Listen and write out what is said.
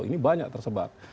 ini banyak tersebar